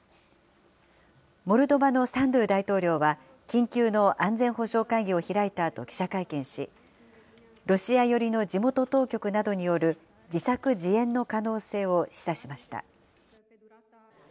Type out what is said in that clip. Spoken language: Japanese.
モルドバのサンドゥ大統領は、緊急の安全保障会議を開いたあと記者会見し、ロシア寄りの地元当局などによる自作自演の可能性を示唆しました。